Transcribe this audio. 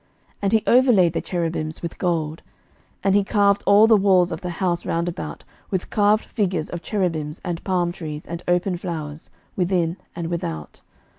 11:006:028 And he overlaid the cherubims with gold. 11:006:029 And he carved all the walls of the house round about with carved figures of cherubims and palm trees and open flowers, within and without.